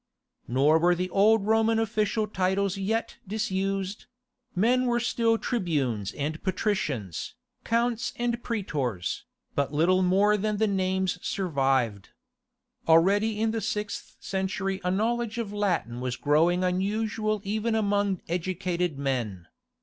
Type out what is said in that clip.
Nor were the old Roman official titles yet disused: men were still tribunes and patricians, counts and praetors, but little more than the names survived. Already in the sixth century a knowledge of Latin was growing unusual even among educated men.